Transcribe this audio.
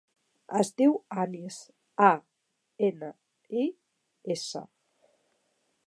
Es diu Anis: a, ena, i, essa.